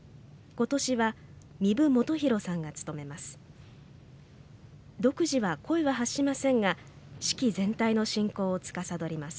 今年は壬生基博さんが務めます。